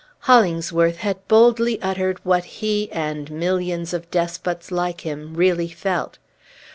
Hollingsworth had boldly uttered what he, and millions of despots like him, really felt.